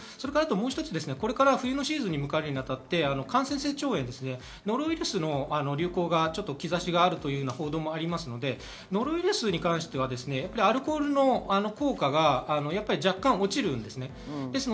もう一つ、冬のシーズンを迎えるにあたって感染性胃腸炎、ノロウイルスの流行の兆しがあるという報道もあるので、ノロウイルスに関してはアルコールの効果が若干落ちます。